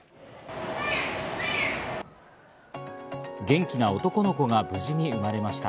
元気な男の子が無事に生まれました。